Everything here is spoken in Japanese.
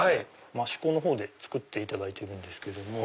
益子の方で作っていただいてるんですけど。